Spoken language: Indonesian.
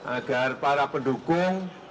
agar para pendukung